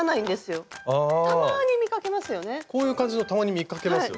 こういう感じのたまに見かけますよね。